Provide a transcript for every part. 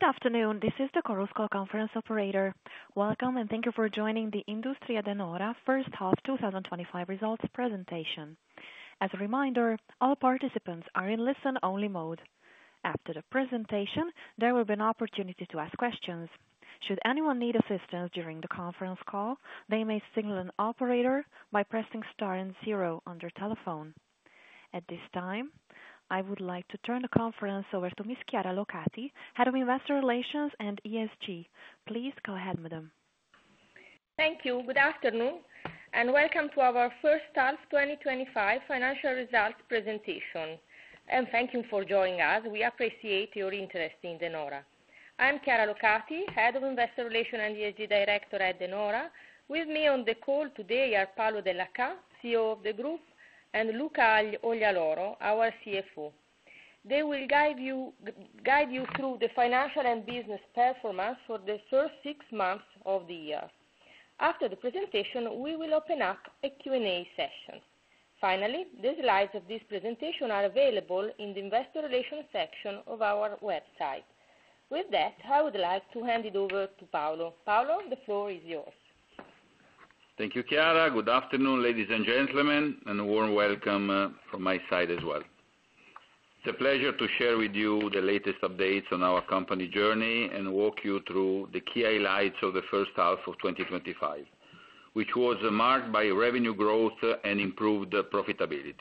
Good afternoon. This is the Quarterly Call Conference operator. Welcome and thank you for joining the Industrie De Nora First Half 2025 Results presentation. As a reminder, all participants are in listen-only mode. After the presentation, there will be an opportunity to ask questions. Should anyone need assistance during the conference call, they may signal an operator by pressing star and zero on their telephone. At this time, I would like to turn the conference over to Ms. Chiara Locati, Head of Investor Relations and ESG. Please go ahead, madam. Thank you. Good afternoon and welcome to our First Half 2025 Financial Results presentation. Thank you for joining us. We appreciate your interest in De Nora. I'm Chiara Locati, Head of Investor Relations and ESG Director at De Nora. With me on the call today are Paolo Dellachà, CEO of the group, and Luca Oglialoro, our CFO. They will guide you through the financial and business performance for the first 6 months of the year. After the presentation, we will open up a Q&A session. The slides of this presentation are available in the Investor Relations section of our website. With that, I would like to hand it over to Paolo. Paolo, the floor is yours. Thank you, Chiara. Good afternoon, ladies and gentlemen, and a warm welcome from my side as well. It's a pleasure to share with you the latest updates on our company journey and walk you through the key highlights of the first half of 2025, which was marked by revenue growth and improved profitability.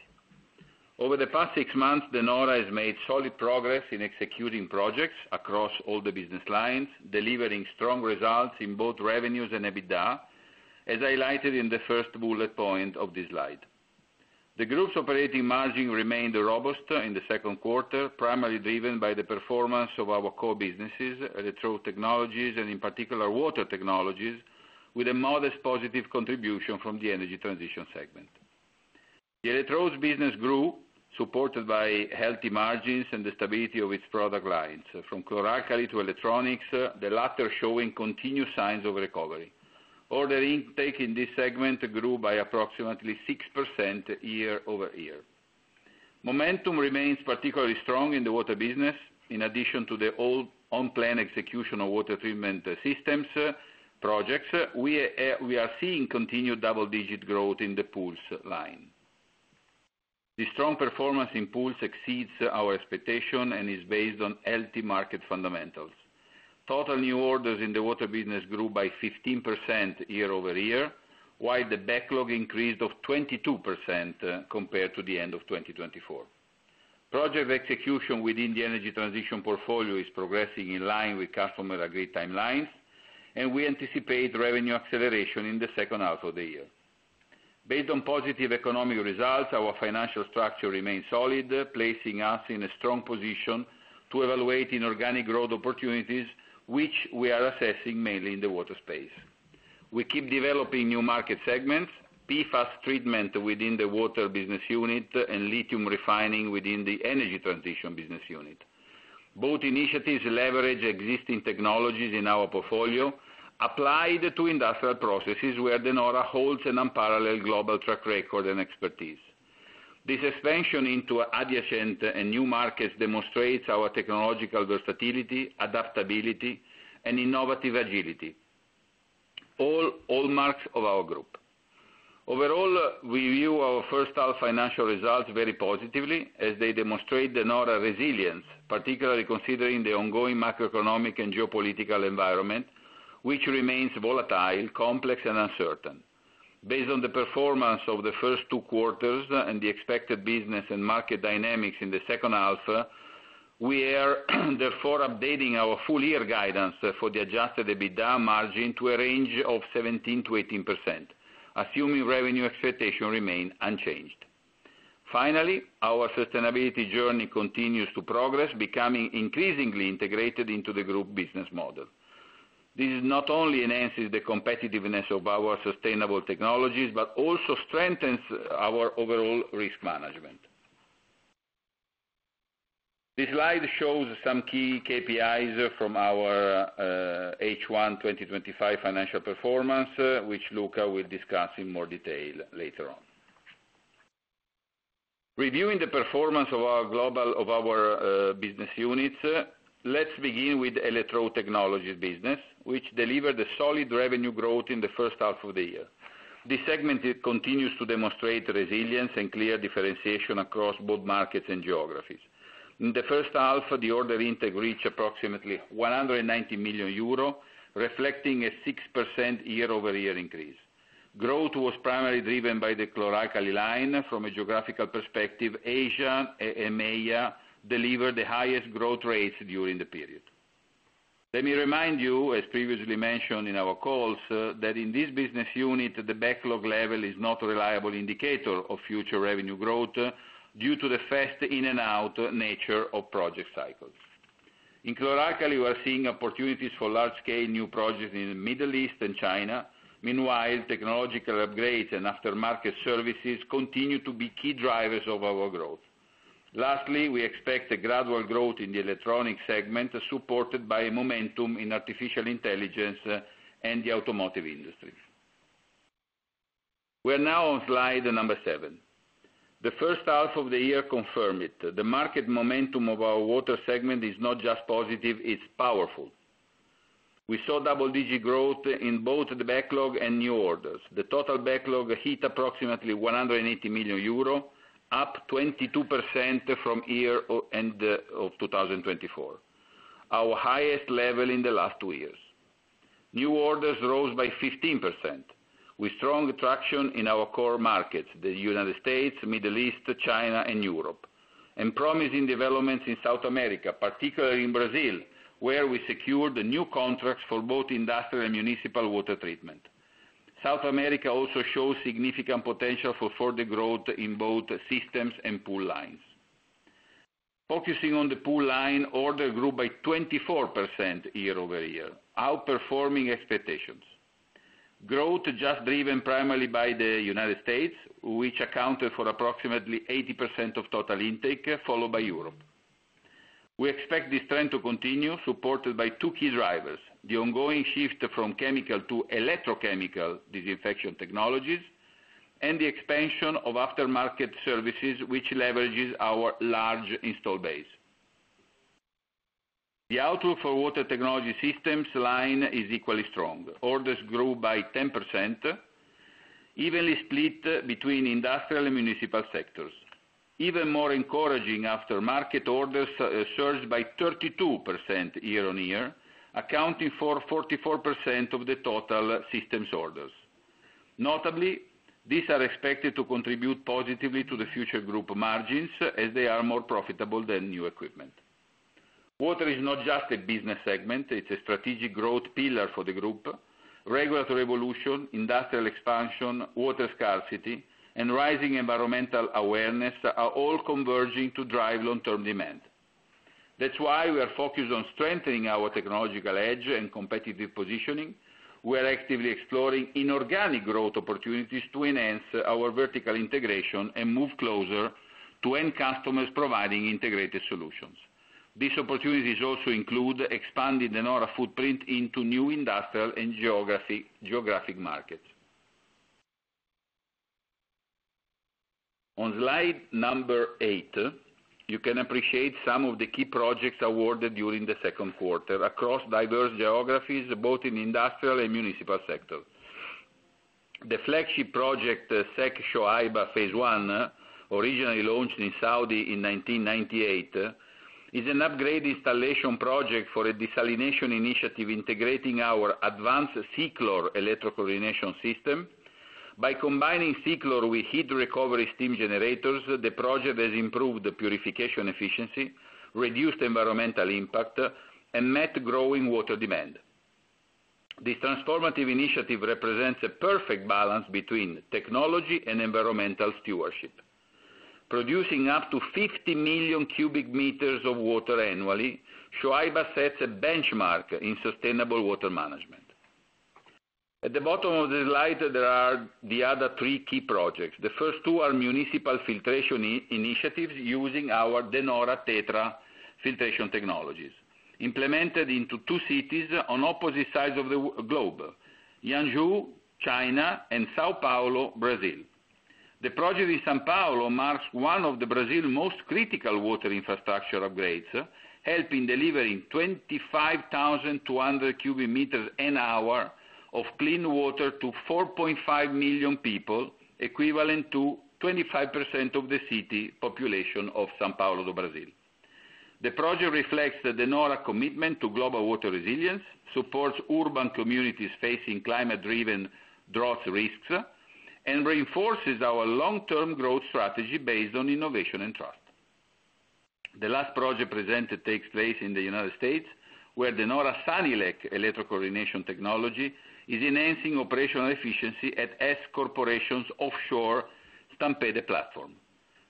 Over the past 6 months, De Nora has made solid progress in executing projects across all the business lines, delivering strong results in both revenues and EBITDA, as I highlighted in the first bullet point of this slide. The group's operating margin remained robust in the second quarter, primarily driven by the performance of our core businesses, electrode technologies, and in particular water technologies, with a modest positive contribution from the energy transition segment. The electrodes business grew, supported by healthy margins and the stability of its product lines, from chlor-alkali to electronics, the latter showing continuous signs of recovery. Order intake in this segment grew by approximately 6% year-over-year. Momentum remains particularly strong in the water business. In addition to the all on-plan execution of water treatment systems projects, we are seeing continued double-digit growth in the pools line. The strong performance in pools exceeds our expectations and is based on healthy market fundamentals. Total new orders in the water business grew by 15% year-over-year, while the backlog increased by 22% compared to the end of 2024. Project execution within the energy transition portfolio is progressing in line with customer-agreed timelines, and we anticipate revenue acceleration in the second half of the year. Based on positive economic results, our financial structure remains solid, placing us in a strong position to evaluate inorganic growth opportunities, which we are assessing mainly in the water space. We keep developing new market segments: PFAS treatment within the water business unit and lithium refining within the energy transition business unit. Both initiatives leverage existing technologies in our portfolio applied to industrial processes where De Nora holds an unparalleled global track record and expertise. This expansion into adjacent and new markets demonstrates our technological versatility, adaptability, and innovative agility, all hallmarks of our group. Overall, we view our first half financial results very positively as they demonstrate De Nora's resilience, particularly considering the ongoing macroeconomic and geopolitical environment, which remains volatile, complex, and uncertain. Based on the performance of the first two quarters and the expected business and market dynamics in the second half, we are therefore updating our full-year guidance for the adjusted EBITDA margin to a range of 17%-18%, assuming revenue expectations remain unchanged. Finally, our sustainability journey continues to progress, becoming increasingly integrated into the group business model. This not only enhances the competitiveness of our sustainable technologies but also strengthens our overall risk management. This slide shows some key KPIs from our H1 2025 financial performance, which Luca will discuss in more detail later on. Reviewing the performance of our global business units, let's begin with the electrode technologies business, which delivered a solid revenue growth in the first half of the year. This segment continues to demonstrate resilience and clear differentiation across both markets and geographies. In the first half, the order intake reached approximately 190 million euro, reflecting a 6% year-over-year increase. Growth was primarily driven by the chlor-alkali line. From a geographical perspective, Asia and EMEA delivered the highest growth rates during the period. Let me remind you, as previously mentioned in our calls, that in this business unit, the backlog level is not a reliable indicator of future revenue growth due to the fast in-and-out nature of project cycles. In chlor-alkali, we are seeing opportunities for large-scale new projects in the Middle East and China. Meanwhile, technological upgrades and aftermarket services continue to be key drivers of our growth. Lastly, we expect a gradual growth in the electronics segment, supported by momentum in artificial intelligence and the automotive industry. We are now on slide number 7. The first half of the year confirmed it. The market momentum of our water segment is not just positive, it's powerful. We saw double-digit growth in both the backlog and new orders. The total backlog hit approximately 180 million euro, up 22% from year end of 2024, our highest level in the last 2 years. New orders rose by 15%, with strong traction in our core markets: the United States, Middle East, China, and Europe, and promising developments in South America, particularly in Brazil, where we secured new contracts for both industrial and municipal water treatment. South America also shows significant potential for further growth in both systems and pools line. Focusing on the pools line, orders grew by 24% year-over-year, outperforming expectations. Growth was driven primarily by the United States, which accounted for approximately 80% of total intake, followed by Europe. We expect this trend to continue, supported by two key drivers: the ongoing shift from chemical to electrochemical disinfection technologies and the expansion of aftermarket services, which leverages our large install base. The outlook for water technology systems line is equally strong. Orders grew by 10%, evenly split between industrial and municipal sectors. Even more encouraging, aftermarket orders surged by 32% year-on-year, accounting for 44% of the total systems orders. Notably, these are expected to contribute positively to the future group margins, as they are more profitable than new equipment. Water is not just a business segment, it's a strategic growth pillar for the group. Regulatory evolution, industrial expansion, water scarcity, and rising environmental awareness are all converging to drive long-term demand. That's why we are focused on strengthening our technological edge and competitive positioning. We are actively exploring inorganic growth opportunities to enhance our vertical integration and move closer to end customers, providing integrated solutions. These opportunities also include expanding De Nora's footprint into new industrial and geographic markets. On slide number 8, you can appreciate some of the key projects awarded during the second quarter across diverse geographies, both in the industrial and municipal sectors. The flagship project, SEC Shoaiba Phase I, originally launched in Saudi Arabia in 1998, is an upgrade installation project for a desalination initiative integrating our advanced SEACLOR electro-chlorination system. By combining SEACLOR with heat-recovery steam generators, the project has improved purification efficiency, reduced environmental impact, and met growing water demand. This transformative initiative represents a perfect balance between technology and environmental stewardship. Producing up to 50 million cu m of water annually, Shoaiba sets a benchmark in sustainable water management. At the bottom of the slide, there are the other three key projects. The first two are municipal filtration initiatives using our DE NORA TETRA filtration technologies, implemented into two cities on opposite sides of the globe: Yangzhou, China, and São Paulo, Brazil. The project in São Paulo marks one of Brazil's most critical water infrastructure upgrades, helping deliver 25,200 cu m an hour of clean water to 4.5 million people, equivalent to 25% of the city population of São Paulo, Brazil. The project reflects De Nora's commitment to global water resilience, supports urban communities facing climate-driven drought risks, and reinforces our long-term growth strategy based on innovation and trust. The last project presented takes place in the United States, where De Nora's SANILEC electro-chlorination technology is enhancing operational efficiency at Hess Corporation's offshore Stampede platform.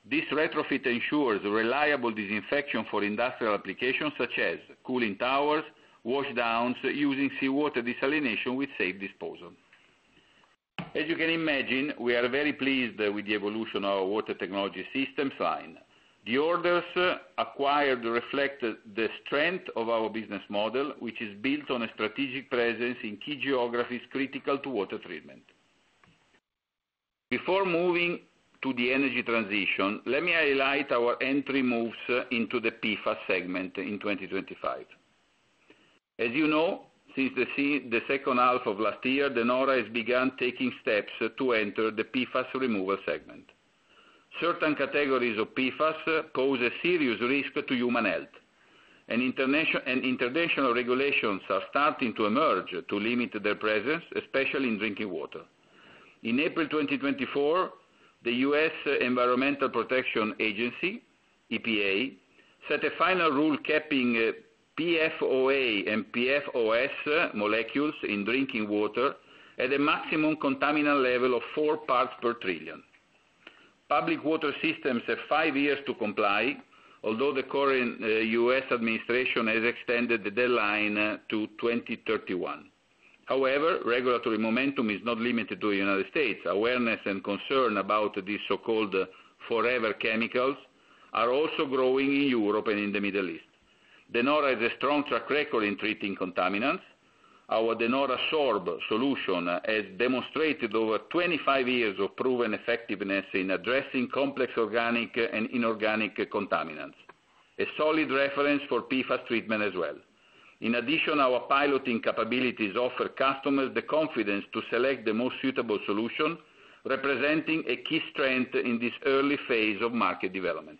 This retrofit ensures reliable disinfection for industrial applications such as cooling towers, washdowns, using seawater desalination with safe disposal. As you can imagine, we are very pleased with the evolution of our water technology systems line. The orders acquired reflect the strength of our business model, which is built on a strategic presence in key geographies critical to water treatment. Before moving to the energy transition, let me highlight our entry moves into the PFAS segment in 2025. As you know, since the second half of last year, De Nora has begun taking steps to enter the PFAS removal segment. Certain categories of PFAS pose a serious risk to human health, and international regulations are starting to emerge to limit their presence, especially in drinking water. In April 2024, the U.S. Environmental Protection Agency, EPA, set a final rule capping PFOA and PFOS molecules in drinking water at a maximum contaminant level of 4 parts per trillion. Public water systems have 5 years to comply, although the current U.S. administration has extended the deadline to 2031. However, regulatory momentum is not limited to the United States. Awareness and concern about these so-called forever chemicals are also growing in Europe and in the Middle East. De Nora has a strong track record in treating contaminants. Our De Nora SORB solution has demonstrated over 25 years of proven effectiveness in addressing complex organic and inorganic contaminants, a solid reference for PFAS treatment as well. In addition, our piloting capabilities offer customers the confidence to select the most suitable solution, representing a key strength in this early phase of market development.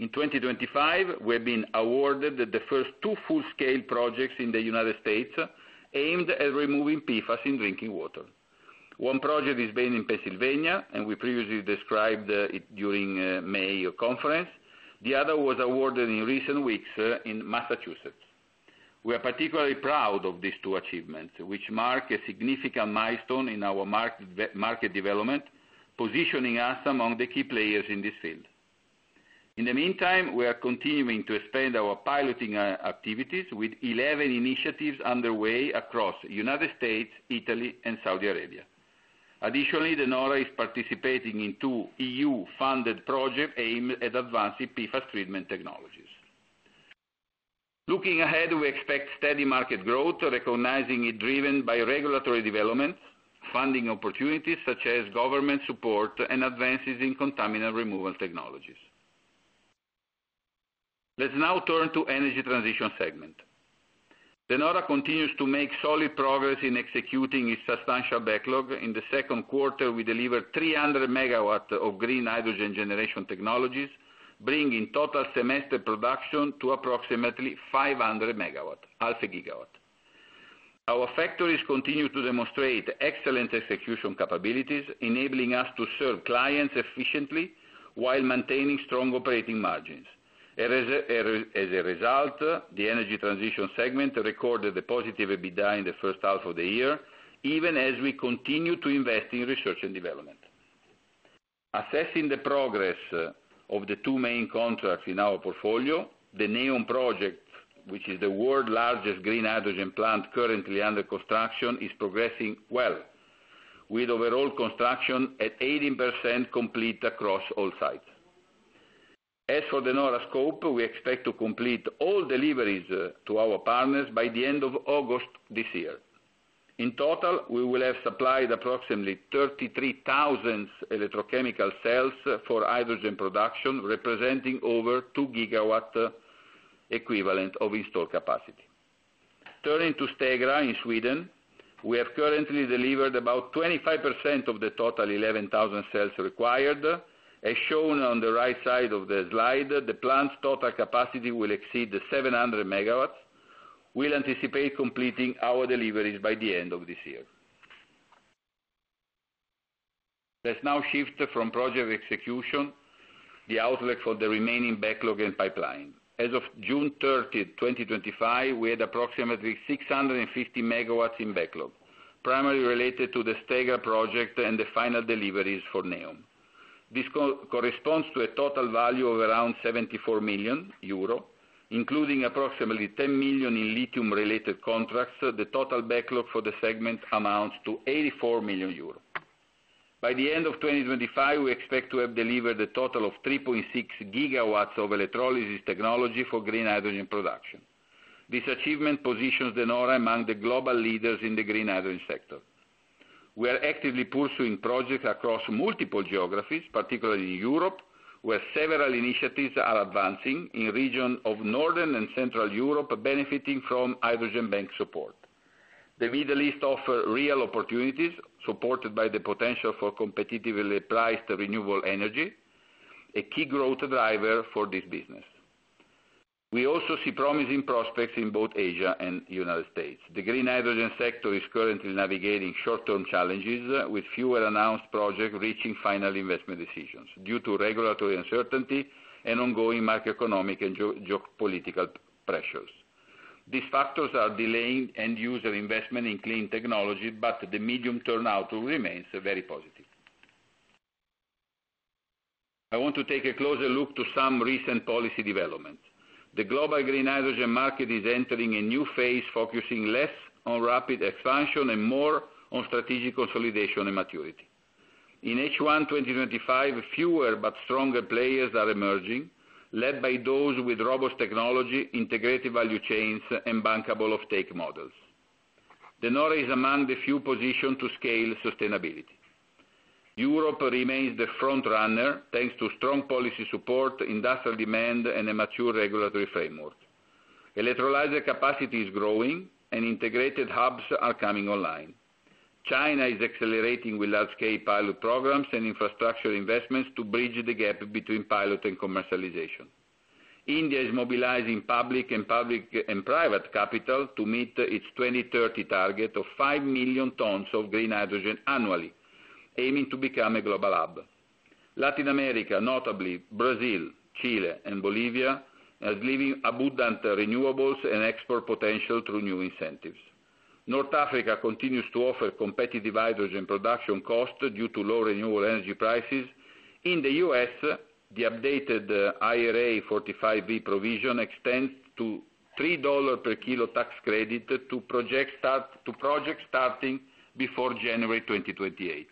In 2025, we have been awarded the first two full-scale projects in the United States aimed at removing PFAS in drinking water. One project is based in Pennsylvania, and we previously described it during the May conference. The other was awarded in recent weeks in Massachusetts. We are particularly proud of these two achievements, which mark a significant milestone in our market development, positioning us among the key players in this field. In the meantime, we are continuing to expand our piloting activities with 11 initiatives underway across the United States, Italy, and Saudi Arabia. Additionally, De Nora is participating in two E.U.-funded projects aimed at advancing PFAS treatment technologies. Looking ahead, we expect steady market growth, recognizing it driven by regulatory development, funding opportunities such as government support, and advances in contaminant removal technologies. Let's now turn to the energy transition segment. De Nora continues to make solid progress in executing its substantial backlog. In the second quarter, we delivered 300 MW of green hydrogen generation technologies, bringing total semester production to approximately 500 MW, half a gigawatt. Our factories continue to demonstrate excellent execution capabilities, enabling us to serve clients efficiently while maintaining strong operating margins. As a result, the energy transition segment recorded a positive EBITDA in the first half of the year, even as we continue to invest in research and development. Assessing the progress of the two main contracts in our portfolio, the NEOM project, which is the world's largest green hydrogen plant currently under construction, is progressing well, with overall construction at 18% complete across all sites. As for De Nora's scope, we expect to complete all deliveries to our partners by the end of August this year. In total, we will have supplied approximately 33,000 electrochemical cells for hydrogen production, representing over 2 GW equivalent of install capacity. Turning to Stegra in Sweden, we have currently delivered about 25% of the total 11,000 cells required. As shown on the right side of the slide, the plant's total capacity will exceed 700 MW. We anticipate completing our deliveries by the end of this year. Let's now shift from project execution to the outlook for the remaining backlog and pipeline. As of June 30th, 2025, we had approximately 650 MW in backlog, primarily related to the Stegra project and the final deliveries for NEOM. This corresponds to a total value of around 74 million euro, including approximately 10 million in lithium-related contracts. The total backlog for the segment amounts to 84 million euro. By the end of 2025, we expect to have delivered a total of 3.6 GW of electrolysis technology for green hydrogen production. This achievement positions De Nora among the global leaders in the green hydrogen sector. We are actively pursuing projects across multiple geographies, particularly Europe, where several initiatives are advancing in regions of Northern and Central Europe, benefiting from hydrogen bank support. The Middle East offers real opportunities, supported by the potential for competitively priced renewable energy, a key growth driver for this business. We also see promising prospects in both Asia and the United States. The green hydrogen sector is currently navigating short-term challenges, with fewer announced projects reaching final investment decisions due to regulatory uncertainty and ongoing macroeconomic and geopolitical pressures. These factors are delaying end-user investment in clean technology, but the medium-term outlook remains very positive. I want to take a closer look at some recent policy developments. The global green hydrogen market is entering a new phase, focusing less on rapid expansion and more on strategic consolidation and maturity. In H1 2025, fewer but stronger players are emerging, led by those with robust technology, integrated value chains, and bankable off-take models. De Nora is among the few positioned to scale sustainability. Europe remains the front runner, thanks to strong policy support, industrial demand, and a mature regulatory framework. Electrolyzer capacity is growing, and integrated hubs are coming online. China is accelerating with large-scale pilot programs and infrastructure investments to bridge the gap between pilot and commercialization. India is mobilizing public and private capital to meet its 2030 target of 5 million tons of green hydrogen annually, aiming to become a global hub. Latin America, notably Brazil, Chile, and Bolivia, is leveraging abundant renewables and export potential through new incentives. North Africa continues to offer competitive hydrogen production costs due to low renewable energy prices. In the U.S., the updated IRA 45(b) provision extends to a $3 per kilo tax credit to projects starting before January 2028,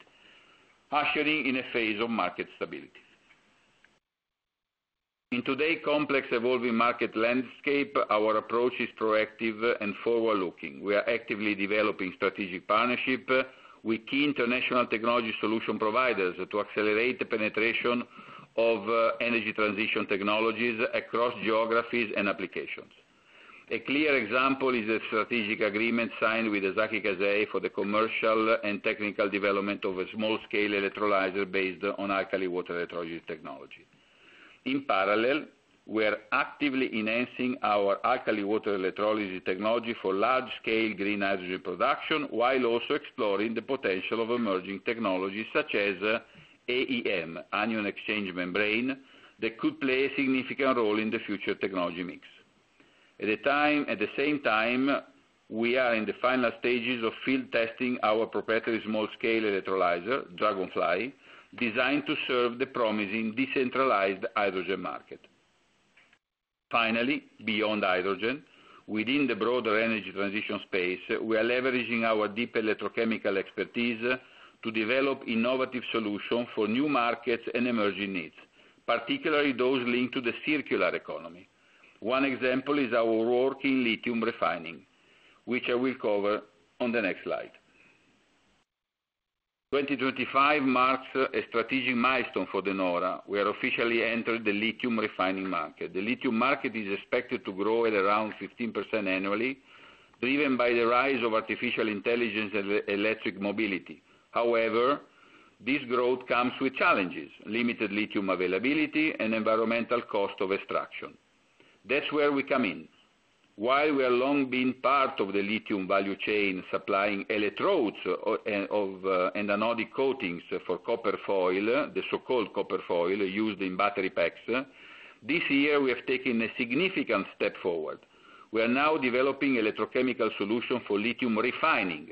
ushering in a phase of market stability. In today's complex, evolving market landscape, our approach is proactive and forward-looking. We are actively developing strategic partnerships with key international technology solution providers to accelerate the penetration of energy transition technologies across geographies and applications. A clear example is a strategic agreement signed with Asahi Kasei for the commercial and technical development of a small-scale electrolyzer based on alkali water electrolysis technology. In parallel, we are actively enhancing our alkali water electrolysis technology for large-scale green hydrogen production, while also exploring the potential of emerging technologies such as AEM, anion exchange membrane, that could play a significant role in the future technology mix. At the same time, we are in the final stages of field testing our proprietary small-scale electrolyzer, Dragonfly, designed to serve the promising decentralized hydrogen market. Finally, beyond hydrogen, within the broader energy transition space, we are leveraging our deep electrochemical expertise to develop innovative solutions for new markets and emerging needs, particularly those linked to the circular economy. One example is our work in lithium refining, which I will cover on the next slide. 2025 marks a strategic milestone for De Nora. We have officially entered the lithium refining market. The lithium market is expected to grow at around 15% annually, driven by the rise of artificial intelligence and electric mobility. However, this growth comes with challenges: limited lithium availability and environmental cost of extraction. That's where we come in. While we have long been part of the lithium value chain supplying electrodes and anodic coatings for copper foil, the so-called copper foil used in battery packs, this year we have taken a significant step forward. We are now developing electrochemical solutions for lithium refining,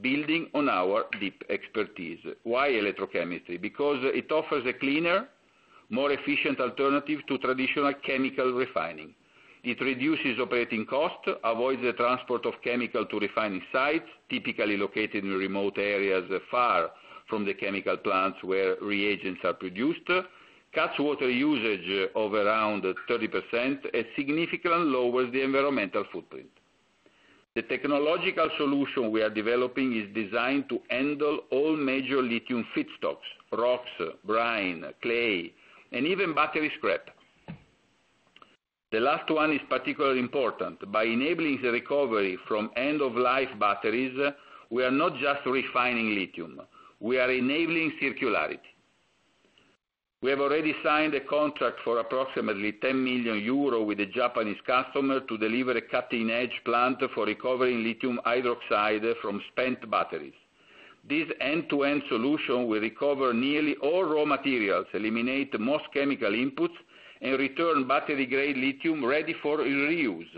building on our deep expertise. Why electrochemistry? Because it offers a cleaner, more efficient alternative to traditional chemical refining. It reduces operating costs, avoids the transport of chemicals to refining sites, typically located in remote areas far from the chemical plants where reagents are produced, cuts water usage of around 30%, and significantly lowers the environmental footprint. The technological solution we are developing is designed to handle all major lithium feedstocks: rocks, brine, clay, and even battery scrap. The last one is particularly important. By enabling the recovery from end-of-life batteries, we are not just refining lithium; we are enabling circularity. We have already signed a contract for approximately 10 million euro with a Japanese customer to deliver a cutting-edge plant for recovering lithium hydroxide from spent batteries. This end-to-end solution will recover nearly all raw materials, eliminate most chemical inputs, and return battery-grade lithium ready for reuse,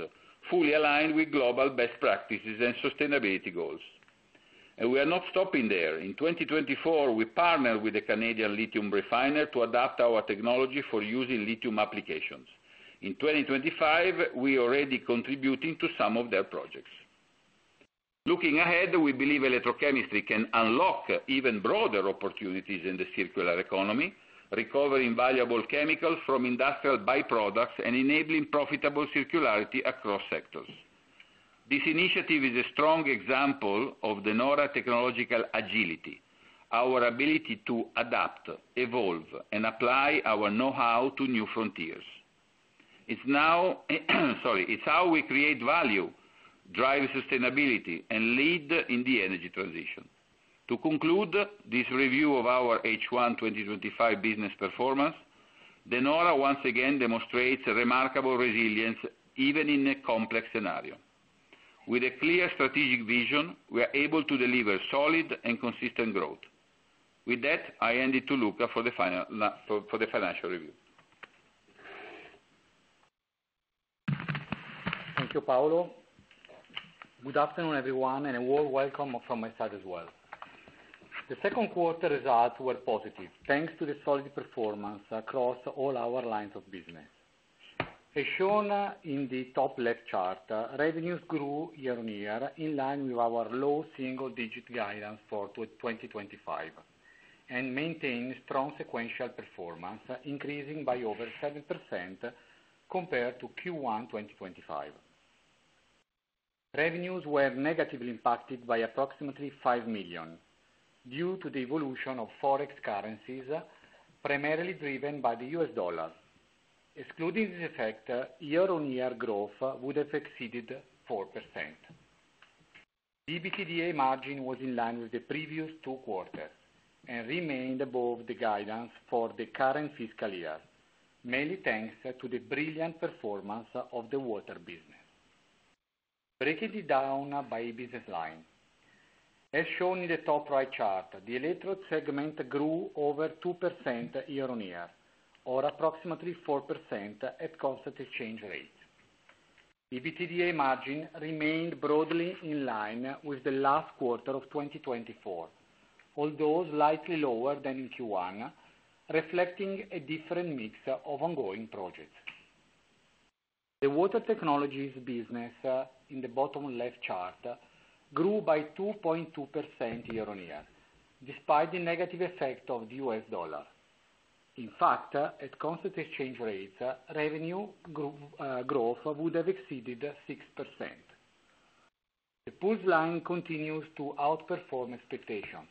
fully aligned with global best practices and sustainability goals. We are not stopping there. In 2024, we partnered with a Canadian lithium refiner to adapt our technology for using lithium applications. In 2025, we are already contributing to some of their projects. Looking ahead, we believe electrochemistry can unlock even broader opportunities in the circular economy, recovering valuable chemicals from industrial byproducts and enabling profitable circularity across sectors. This initiative is a strong example of De Nora's technological agility, our ability to adapt, evolve, and apply our know-how to new frontiers. It's how we create value, drive sustainability, and lead in the energy transition. To conclude this review of our H1 2025 business performance, De Nora once again demonstrates remarkable resilience, even in a complex scenario. With a clear strategic vision, we are able to deliver solid and consistent growth. With that, I hand it to Luca for the financial review. Thank you, Paolo. Good afternoon, everyone, and a warm welcome from my side as well. The second quarter's results were positive, thanks to the solid performance across all our lines of business. As shown in the top left chart, revenues grew year on year, in line with our low single-digit guidance for 2025, and maintained strong sequential performance, increasing by over 7% compared to Q1 2025. Revenues were negatively impacted by approximately 5 million due to the evolution of forex currencies, primarily driven by the U.S. dollar. Excluding this effect, year-on-year growth would have exceeded 4%. The EBITDA margin was in line with the previous two quarters and remained above the guidance for the current fiscal year, mainly thanks to the brilliant performance of the water business. Breaking it down by business line, as shown in the top right chart, the electrode segment grew over 2% year-on-year, or approximately 4% at constant exchange rates. EBITDA margin remained broadly in line with the last quarter of 2024, although slightly lower than in Q1, reflecting a different mix of ongoing projects. The water technologies business, in the bottom left chart, grew by 2.2% year-on-year, despite the negative effect of the U.S. dollar. In fact, at constant exchange rates, revenue growth would have exceeded 6%. The pools line continues to outperform expectations,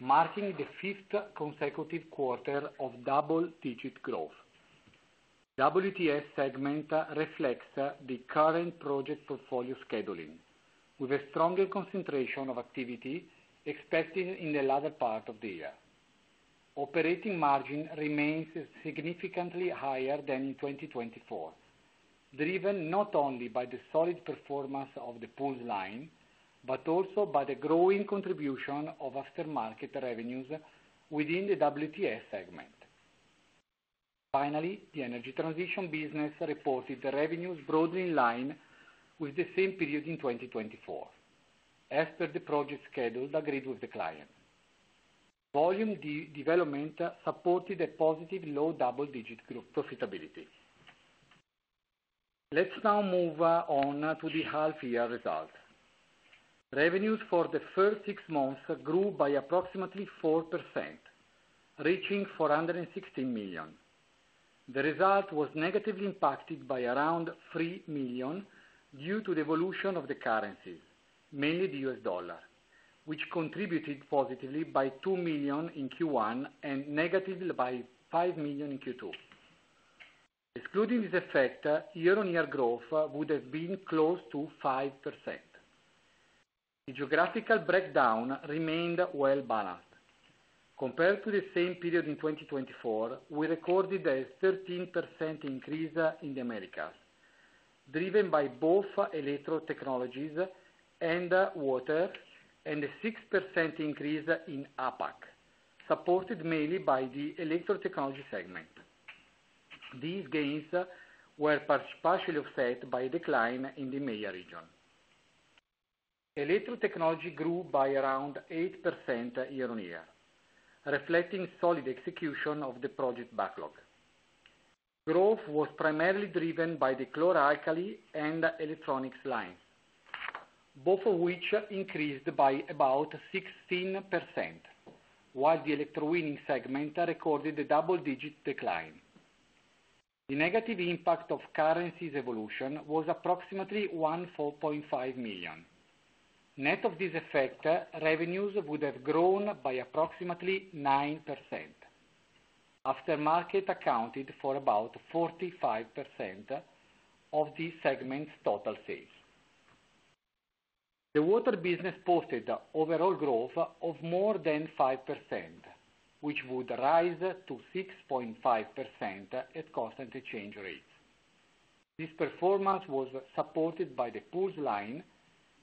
marking the fifth consecutive quarter of double-digit growth. The WTS segment reflects the current project portfolio scheduling, with a stronger concentration of activity expected in the latter part of the year. Operating margin remains significantly higher than in 2024, driven not only by the solid performance of the pools line, but also by the growing contribution of aftermarket revenues within the WTS segment. Finally, the energy transition business reported revenues broadly in line with the same period in 2024, as per the project schedule agreed with the client. Volume development supported a positive low double-digit group profitability. Let's now move on to the half-year result. Revenues for the first 6 months grew by approximately 4%, reaching 416 million. The result was negatively impacted by around 3 million due to the evolution of the currencies, mainly the U.S. dollar, which contributed positively by 2 million in Q1 and negatively by 5 million in Q2. Excluding this effect, year-on-year growth would have been close to 5%. The geographical breakdown remained well-balanced. Compared to the same period in 2024, we recorded a 13% increase in the Americas, driven by both electrode technologies and water, and a 6% increase in APAC, supported mainly by the electrode technology segment. These gains were partially offset by a decline in the EMEA region. Electrode technology grew by around 8% year-on-year, reflecting a solid execution of the project backlog. Growth was primarily driven by the chlor-alkali and electronics lines, both of which increased by about 16%, while the electrode winning segment recorded a double-digit decline. The negative impact of currency's evolution was approximately 4.5 million. Net of this effect, revenues would have grown by approximately 9%. Aftermarket accounted for about 45% of this segment's total sales. The water business posted overall growth of more than 5%, which would rise to 6.5% at constant exchange rates. This performance was supported by the pools line,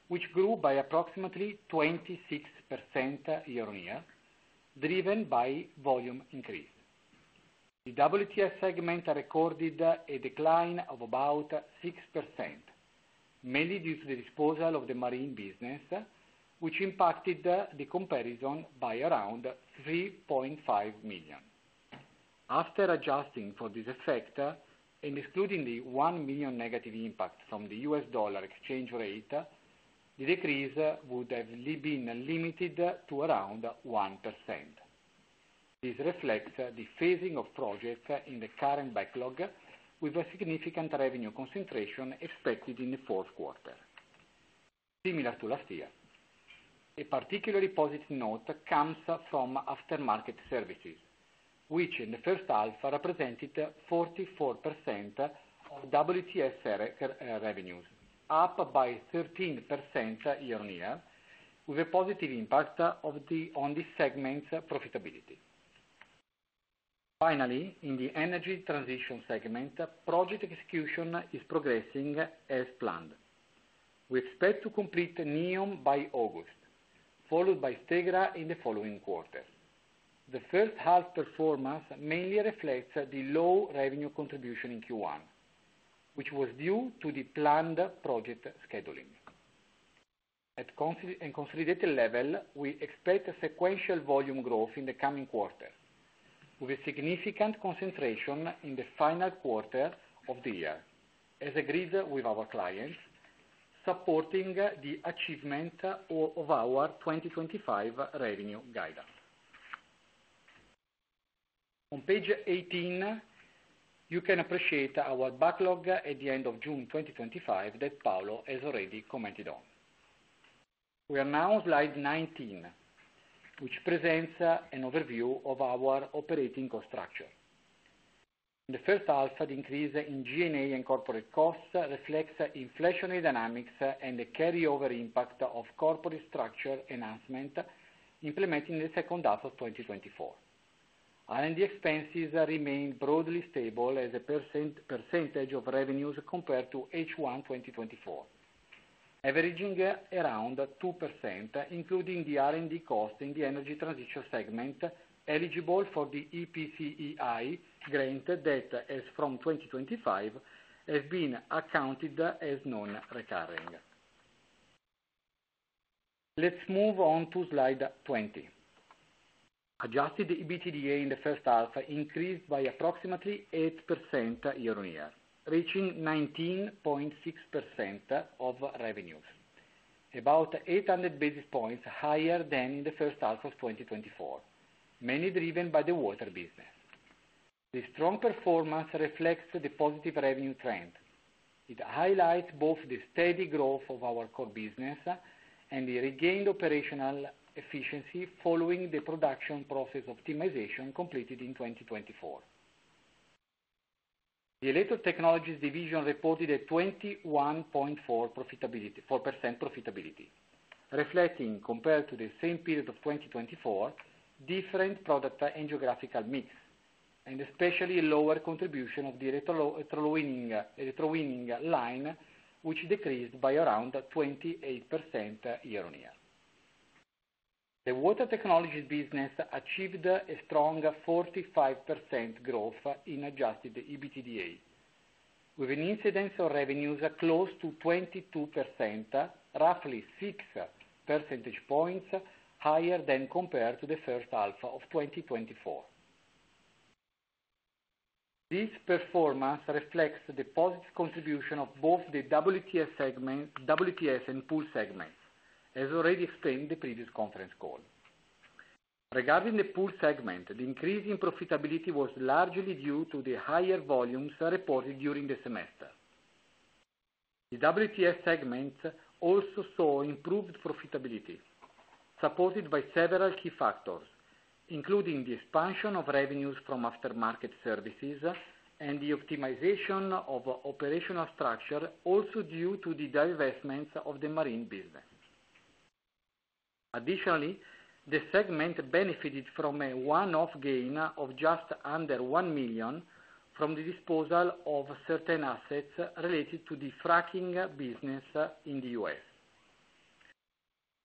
which grew by approximately 26% year-on-year, driven by volume increase. The WTS segment recorded a decline of about 6%, mainly due to the disposal of the marine business, which impacted the comparison by around 3.5 million. After adjusting for this effect and excluding the 1 million negative impact from the U.S. dollar exchange rate, the decrease would have been limited to around 1%. This reflects the phasing of projects in the current backlog, with a significant revenue concentration expected in the fourth quarter, similar to last year. A particularly positive note comes from aftermarket services, which in the first half represented 44% of WTS revenues, up by 13% year-on-year, with a positive impact on this segment's profitability. Finally, in the energy transition segment, project execution is progressing as planned, with specs to complete NEOM by August, followed by Stegra in the following quarter. The first half's performance mainly reflects the low revenue contribution in Q1, which was due to the planned project scheduling. At a consolidated level, we expect sequential volume growth in the coming quarter, with a significant concentration in the final quarter of the year, as agreed with our clients, supporting the achievement of our 2025 revenue guidance. On page 18, you can appreciate our backlog at the end of June 2025 that Paolo has already commented on. We are now on slide 19, which presents an overview of our operating cost structure. The first half's increase in G&A and corporate costs reflects inflationary dynamics and the carryover impact of corporate structure enhancement implemented in the second half of 2024. R&D expenses remain broadly stable as a percentage of revenues compared to H1 2024, averaging around 2%, including the R&D costs in the energy transition segment eligible for the IPCEI grant that, as from 2025, have been accounted as non-recurring. Let's move on to slide 20. Adjusted EBITDA in the first half increased by approximately 8% year-on-year, reaching 19.6% of revenues, about 800 basis points higher than in the first half of 2024, mainly driven by the water business. This strong performance reflects the positive revenue trend. It highlights both the steady growth of our core business and the regained operational efficiency following the production process optimization completed in 2024. The electrode technologies division reported a 21.4% profitability, reflecting, compared to the same period of 2024, different product and geographical mix, and especially a lower contribution of the electrode winning line, which decreased by around 28% year-on-year. The water technologies business achieved a strong 45% growth in adjusted EBITDA, with an incidence of revenues close to 22%, roughly 6 percentage points higher than compared to the first half of 2024. This performance reflects the positive contribution of both the WTS and pools segments, as already explained in the previous conference call. Regarding the pools segment, the increase in profitability was largely due to the higher volumes reported during the semester. The WTS segment also saw improved profitability, supported by several key factors, including the expansion of revenues from aftermarket services and the optimization of operational structure, also due to the divestment of the marine building. Additionally, the segment benefited from a one-off gain of just under 1 million from the disposal of certain assets related to the fracking business in the U.S.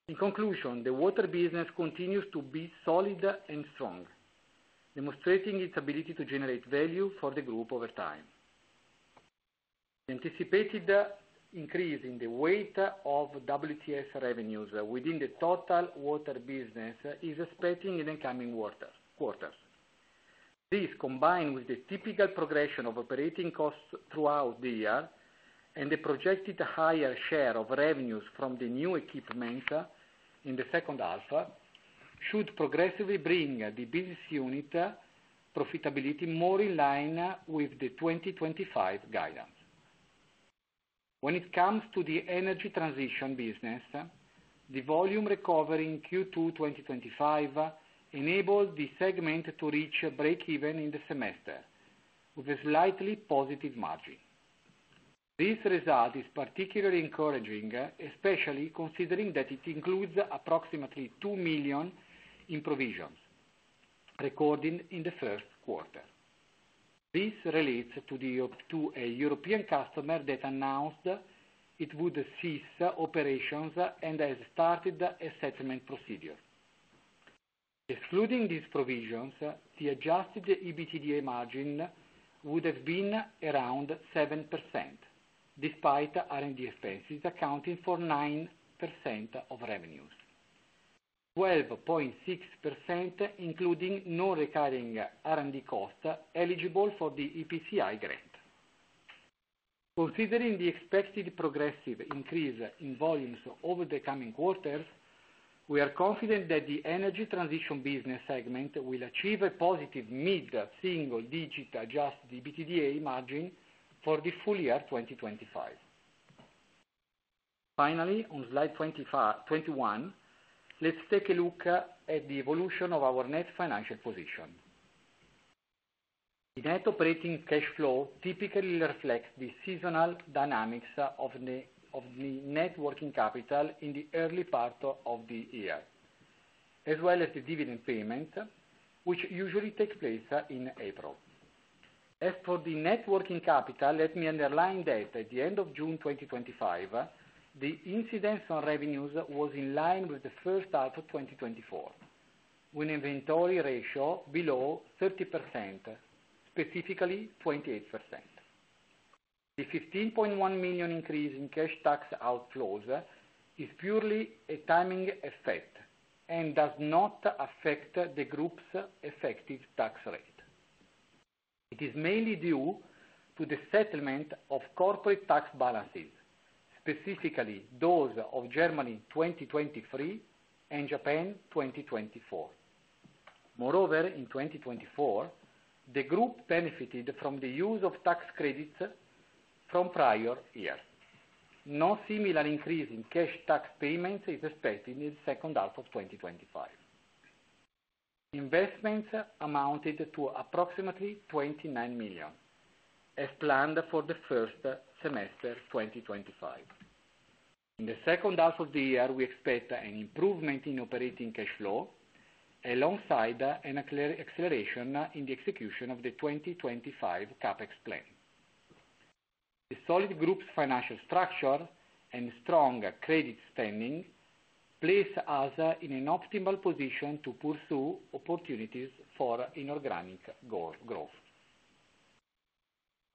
In conclusion, the water business continues to be solid and strong, demonstrating its ability to generate value for the group over time. The anticipated increase in the weight of WTS revenues within the total water business is expected in the incoming quarters. This, combined with the typical progression of operating costs throughout the year and the projected higher share of revenues from the new equipment in the second half, should progressively bring the business unit's profitability more in line with the 2025 guidance. When it comes to the energy transition business, the volume recovery in Q2 2025 enabled the segment to reach a break-even in the semester, with a slightly positive margin. This result is particularly encouraging, especially considering that it includes approximately 2 million in provisions recorded in the first quarter. This relates to a European customer that announced it would cease operations and has started a settlement procedure. Excluding these provisions, the adjusted EBITDA margin would have been around 7%, despite R&D expenses accounting for 9% of revenues, 12.6% including non-recurring R&D costs eligible for the IPCI grant. Considering the expected progressive increase in volumes over the coming quarters, we are confident that the energy transition business segment will achieve a positive mid-single-digit adjusted EBITDA margin for the full year 2025. Finally, on slide 21, let's take a look at the evolution of our net financial position. The net operating cash flow typically reflects the seasonal dynamics of the net working capital in the early part of the year, as well as the dividend payment, which usually takes place in April. As for the net working capital, let me underline that at the end of June 2025, the incidence on revenues was in line with the first half of 2024, with an inventory ratio below 30%, specifically 28%. The 15.1 million increase in cash tax outflows is purely a timing effect and does not affect the group's effective tax rate. It is mainly due to the settlement of corporate tax balances, specifically those of Germany 2023 and Japan 2024. Moreover, in 2024, the group benefited from the use of tax credits from prior years. No similar increase in cash tax payments is expected in the second half of 2025. Investments amounted to approximately 29 million, as planned for the first semester of 2025. In the second half of the year, we expect an improvement in operating cash flow, alongside an acceleration in the execution of the 2025 CapEx plan. The solid group's financial structure and strong credit standing place us in an optimal position to pursue opportunities for inorganic growth.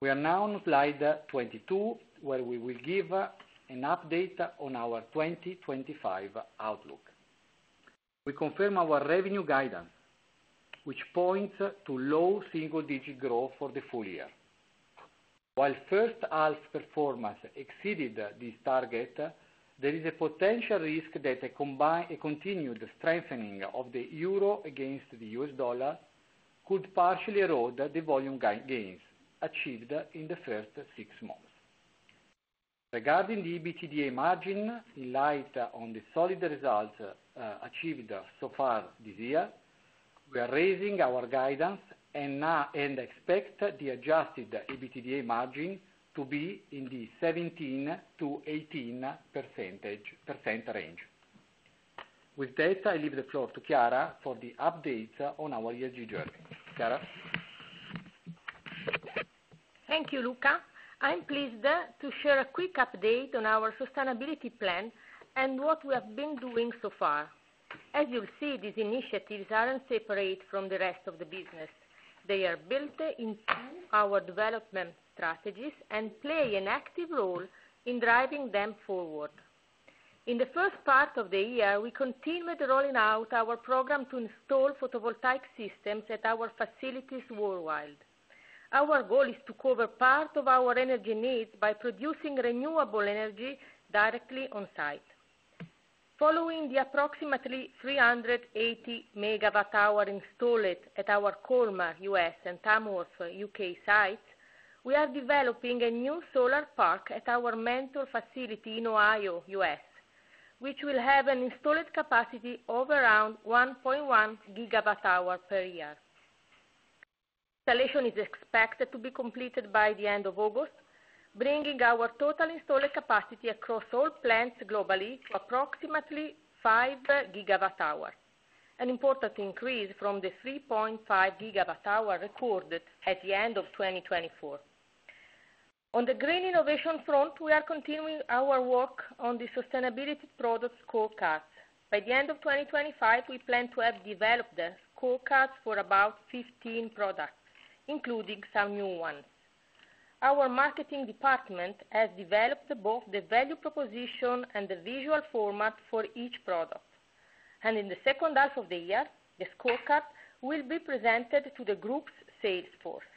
We are now on slide 22, where we will give an update on our 2025 outlook. We confirm our revenue guidance, which points to low single-digit growth for the full year. While the first half's performance exceeded this target, there is a potential risk that a continued strengthening of the euro against the U.S. dollar could partially erode the volume gains achieved in the first 6 months. Regarding the EBITDA margin, in light of the solid results achieved so far this year, we are raising our guidance and expect the adjusted EBITDA margin to be in the 17%-18% range. With that, I leave the floor to Chiara for the updates on our ESG journey. Chiara. Thank you, Luca. I'm pleased to share a quick update on our sustainability plan and what we have been doing so far. As you'll see, these initiatives are inseparable from the rest of the business. They are built into our development strategies and play an active role in driving them forward. In the first part of the year, we continued rolling out our program to install photovoltaic systems at our facilities worldwide. Our goal is to cover part of our energy needs by producing renewable energy directly on site. Following the approximately 380 MWh installed at our Colmar, U.S., and Tamworth, U.K. sites, we are developing a new solar park at our Mentor facility in Ohio, U.S., which will have an installed capacity of around 1.1 GWh per year. Installation is expected to be completed by the end of August, bringing our total installed capacity across all plants globally to approximately 5 GWh, an important increase from the 3.5 GWh recorded at the end of 2024. On the green innovation front, we are continuing our work on the sustainability product scorecard. By the end of 2025, we plan to have developed scorecards for about 15 products, including some new ones. Our marketing department has developed both the value proposition and the visual format for each product. In the second half of the year, the scorecard will be presented to the group's sales force.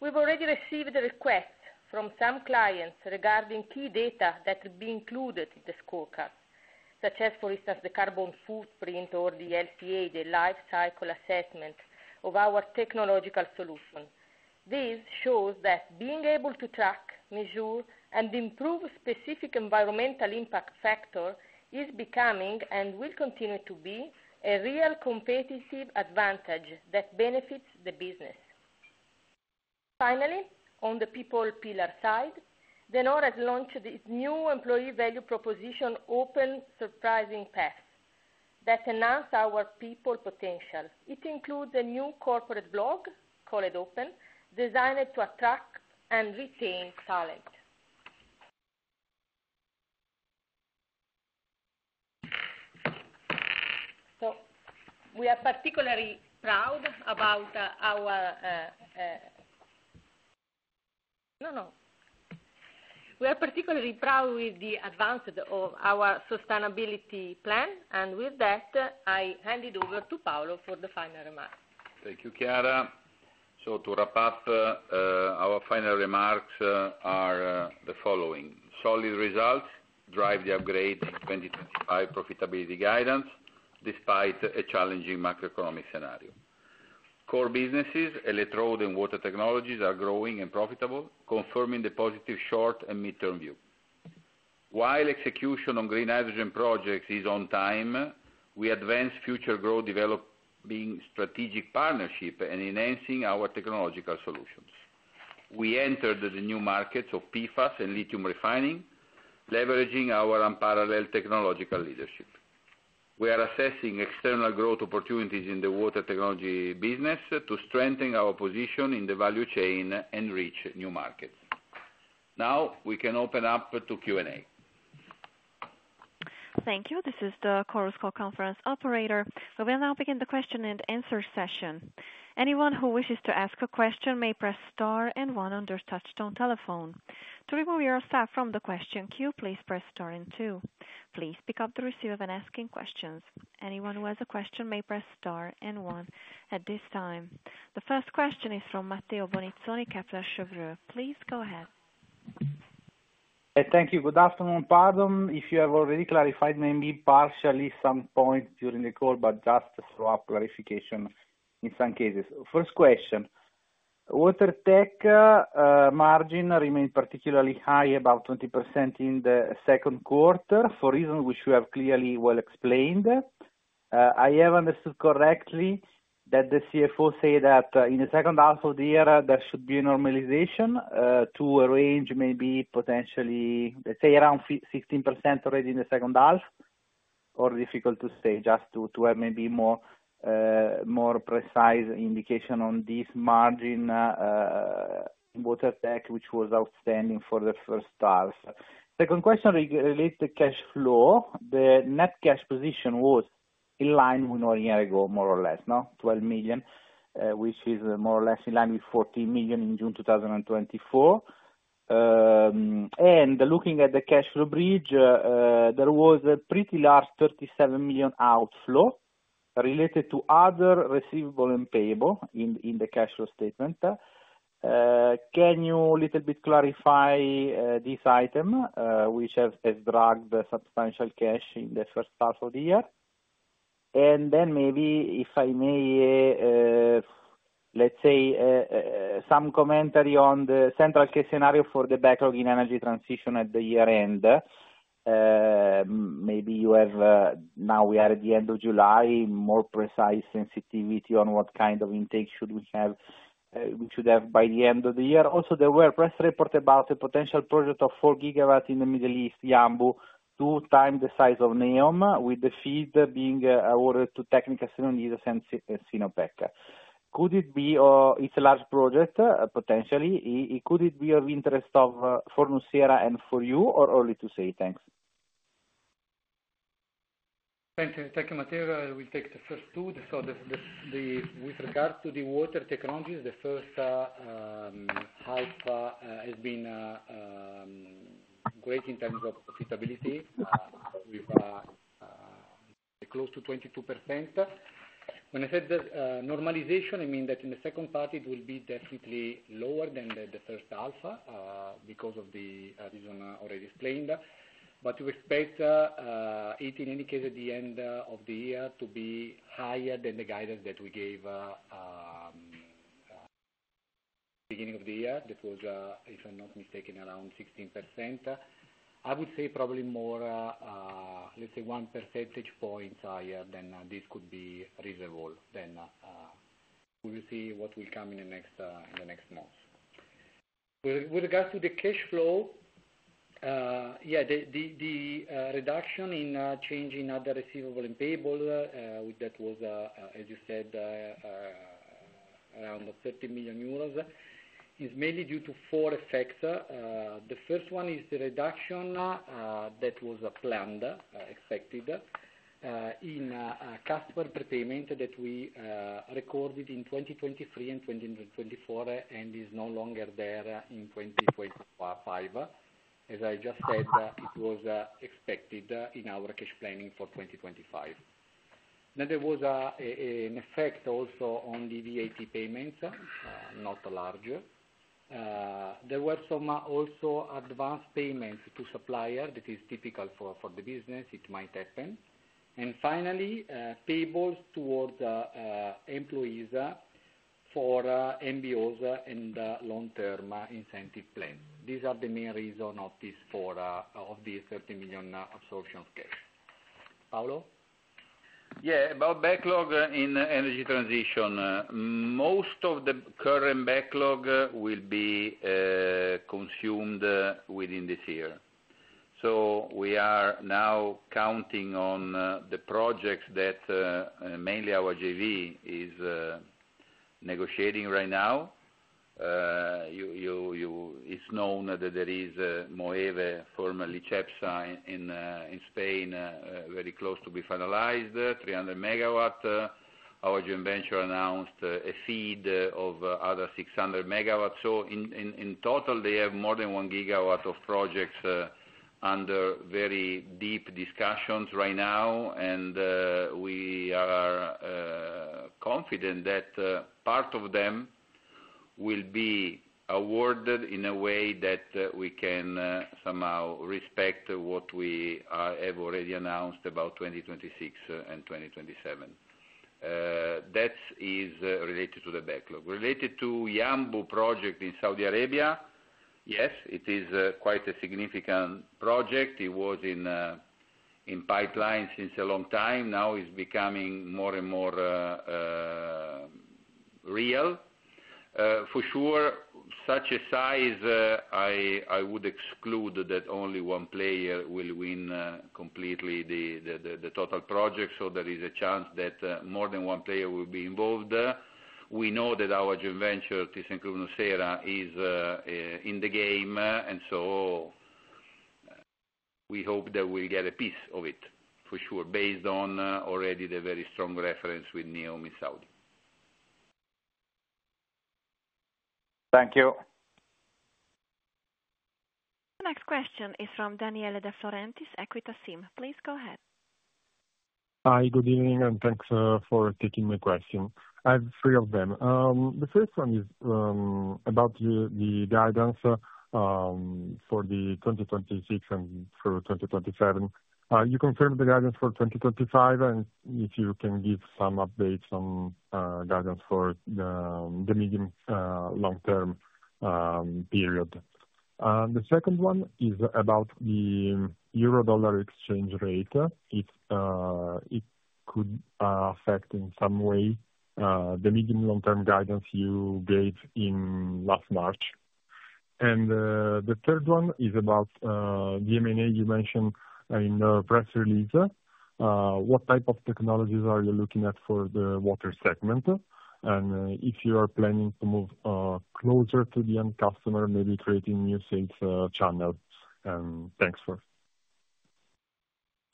We've already received requests from some clients regarding key data that would be included in the scorecard, such as, for instance, the carbon footprint or the LCA, the life cycle assessment of our technological solution. This shows that being able to track, measure, and improve specific environmental impact factors is becoming and will continue to be a real competitive advantage that benefits the business. Finally, on the people pillar side, De Nora has launched its new employee value proposition, Open Surprising Paths, that announces our people potential. It includes a new corporate blog, call it OPEN, designed to attract and retain talent. We are particularly proud of the advances of our sustainability plan, and with that, I hand it over to Paolo for the final remarks. Thank you, Chiara. To wrap up, our final remarks are the following: solid results drive the upgrade in 2025 profitability guidance, despite a challenging macroeconomic scenario. Core businesses, electrode and water technologies are growing and profitable, confirming the positive short and mid-term view. While execution on green hydrogen projects is on time, we advance future growth developing strategic partnerships and enhancing our technological solutions. We entered the new markets of PFAS and lithium refining, leveraging our unparalleled technological leadership. We are assessing external growth opportunities in the water technology business to strengthen our position in the value chain and reach new markets. Now, we can open up to Q&A. Thank you. This is the Quarterly Call Conference operator. We will now begin the question and answer session. Anyone who wishes to ask a question may press star and one on their touch-tone telephone. To remove yourself from the question queue, please press star and two. Please pick up the receiver when asking questions. Anyone who has a question may press star and one at this time. The first question is from Matteo Bonizzoni, Kepler Cheuvreux. Please go ahead. Thank you. Good afternoon. Pardon if you have already clarified maybe partially some points during the call, but just to throw up clarification in some cases. First question: water tech margin remains particularly high, about 20% in the second quarter, for reasons which we have clearly well explained. I have understood correctly that the CFO said that in the second half of the year, there should be a normalization to a range maybe potentially, let's say, around 15% already in the second half, or difficult to say, just to have maybe more precise indication on this margin in water tech, which was outstanding for the first half. Second question relates to cash flow. The net cash position was in line with one year ago, more or less, no? 12 million, which is more or less in line with 14 million in June 2024. Looking at the cash flow bridge, there was a pretty large 37 million outflow related to other receivable and payable in the cash flow statement. Can you a little bit clarify this item, which has dragged substantial cash in the first half of the year? If I may, let's say some commentary on the central case scenario for the backlog in energy transition at the year end. Maybe you have, now we are at the end of July, more precise sensitivity on what kind of intake should we have, we should have by the end of the year. Also, there were press reports about a potential project of 4 GW in the Middle East, Yanbu, 2x the size of NEOM, with the FEED being awarded to Técnicas Reunidas and Sinopec. Could it be, or it's a large project, potentially, could it be of interest for nucera and for you, or only to say thanks? Thank you. Thank you, Matteo. I will take the first two. With regards to the water technologies, the first half has been great in terms of profitability, with close to 22%. When I said normalization, I mean that in the second part, it will be definitely lower than the first half because of the reason already explained. We expect it, in any case, at the end of the year, to be higher than the guidance that we gave at the beginning of the year. That was, if I'm not mistaken, around 16%. I would say probably more, let's say, one percentage point higher than this could be reasonable. We will see what will come in the next months. With regards to the cash flow, yeah, the reduction in changing other receivable and payable, that was, as you said, around 30 million euros, is mainly due to four effects. The first one is the reduction that was planned, expected in customer payment that we recorded in 2023 and 2024 and is no longer there in 2025. As I just said, it was expected in our cash planning for 2025. There was an effect also on the VAT payments, not large. There were some also advanced payments to suppliers. That is typical for the business. It might happen. Finally, payables towards employees for MBOs and long-term incentive plans. These are the main reasons of this 30 million absorption case. Paolo? Yeah, about backlog in energy transition, most of the current backlog will be consumed within this year. We are now counting on the projects that mainly our joint venture is negotiating right now. It's known that there is Moeve, formerly Cepsa in Spain, very close to be finalized, 300 MW. Our joint venture announced a FEED of other 600 MW. In total, they have more than 1 GW of projects under very deep discussions right now, and we are confident that part of them will be awarded in a way that we can somehow respect what we have already announced about 2026 and 2027. That is related to the backlog. Related to the Yanbu project in Saudi Arabia, yes, it is quite a significant project. It was in pipeline since a long time. Now it's becoming more and more real. For sure, such a size, I would exclude that only one player will win completely the total project. There is a chance that more than one player will be involved. We know that our joint venture, thyssenkrupp nucera, is in the game, and we hope that we'll get a piece of it for sure, based on already the very strong reference with NEOM in Saudi. Thank you. The next question is from Daniele De Florentis, Equita SIM. Please go ahead. Hi, good evening, and thanks for taking my question. I have three of them. The first one is about the guidance for 2026 and for 2027. You confirmed the guidance for 2025, and if you can give some updates on guidance for the medium-long-term period. The second one is about the euro-dollar exchange rate. It could affect in some way the medium-long-term guidance you gave in last March. The third one is about the M&A you mentioned in the press release. What type of technologies are you looking at for the water segment? If you are planning to move closer to the end customer, maybe creating new sales channels? Thanks.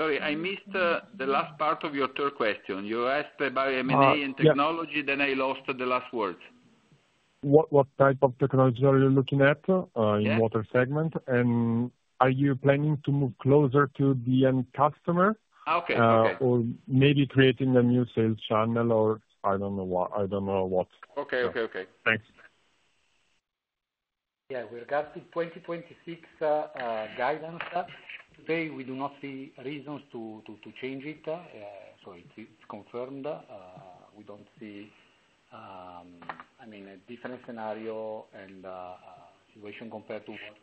Sorry, I missed the last part of your third question. You asked about M&A and technology, then I lost the last word. What type of technology are you looking at in the water segment? Are you planning to move closer to the end customer? Okay, okay. Maybe creating a new sales channel, or I don't know what. Okay. Thanks. Yeah, with regards to 2026 guidance, today we do not see a reason to change it. It's confirmed. We don't see, I mean, a different scenario and situation compared to what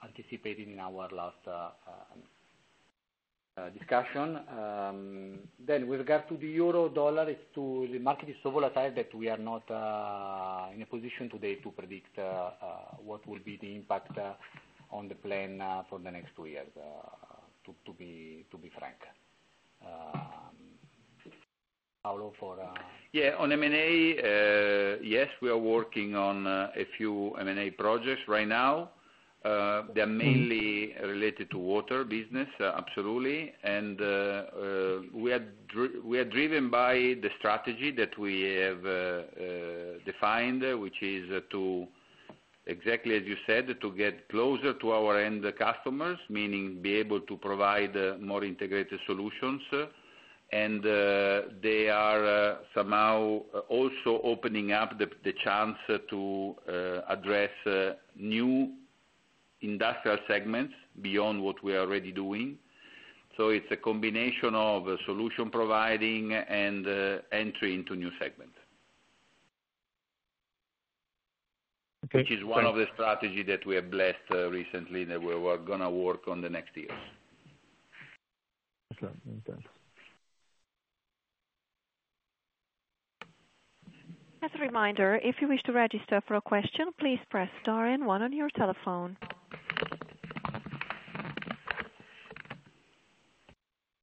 we anticipated in our last discussion. With regards to the euro-dollar, the market is so volatile that we are not in a position today to predict what will be the impact on the plan for the next two years, to be frank. Paolo, for. Yeah, on M&A, yes, we are working on a few M&A projects right now. They're mainly related to the water business, absolutely. We are driven by the strategy that we have defined, which is exactly as you said, to get closer to our end customers, meaning be able to provide more integrated solutions. They are somehow also opening up the chance to address new industrial segments beyond what we are already doing. It is a combination of solution-providing and entry into new segments, which is one of the strategies that we have blessed recently and that we're going to work on the next years. Exactly. As a reminder, if you wish to register for a question, please press star and one on your telephone.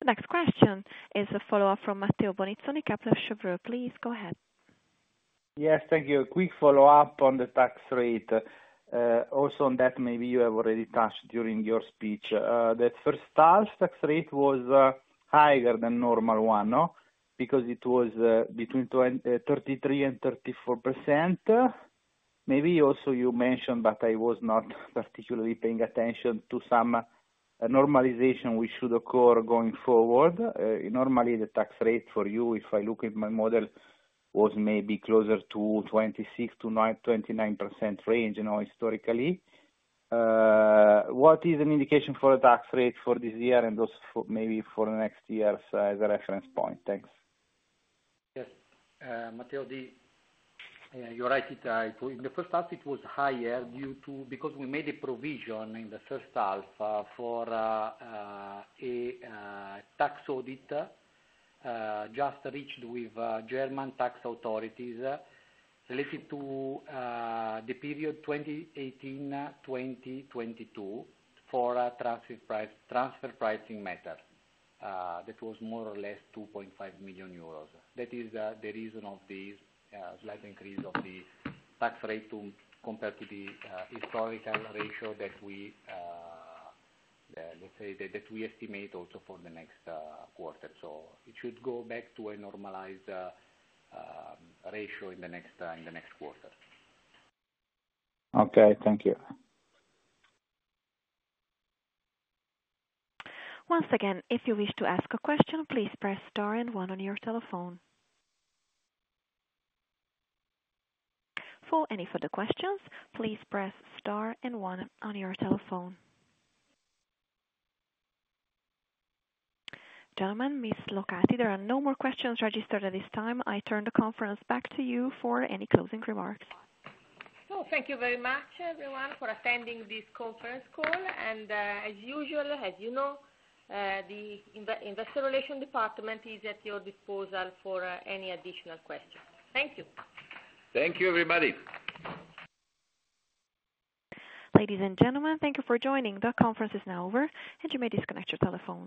The next question is a follow-up from Matteo Bonizzoni, Kepler Cheuvreux. Please go ahead. Yes, thank you. A quick follow-up on the tax rate. Also, on that, maybe you have already touched during your speech. That first half's tax rate was higher than the normal one, because it was between 33% and 34%. Maybe also you mentioned, but I was not particularly paying attention to some normalization which should occur going forward. Normally, the tax rate for you, if I look at my model, was maybe closer to 26%- 29% range, historically. What is an indication for the tax rate for this year and those maybe for the next years as a reference point? Thanks. Yes, Matteo, you're right. In the first half, it was higher because we made a provision in the first half for a tax audit just reached with German tax authorities related to the period 2018-2022 for transfer pricing matters. That was more or less 2.5 million euros. That is the reason of the slight increase of the tax rate compared to the historical ratio that we estimate also for the next quarter. It should go back to a normalized ratio in the next quarter. Okay, thank you. Once again, if you wish to ask a question, please press star and one on your telephone. For any further questions, please press star and one on your telephone. Gentlemen, Ms. Locati, there are no more questions registered at this time. I turn the conference back to you for any closing remarks. Thank you very much, everyone, for attending this conference call. As you know, the Investor Relations department is at your disposal for any additional questions. Thank you. Thank you, everybody. Ladies and gentlemen, thank you for joining. The conference is now over, and you may disconnect your telephones.